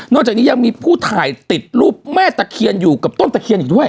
จากนี้ยังมีผู้ถ่ายติดรูปแม่ตะเคียนอยู่กับต้นตะเคียนอีกด้วย